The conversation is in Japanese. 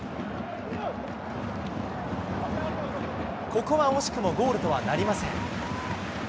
ここは惜しくもゴールとはなりません。